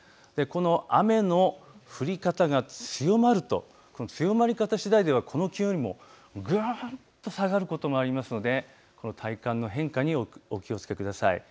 雨の降り方が強まると強まり方しだいではこの気温よりも下がることもありますので体感の変化にお気をつけください。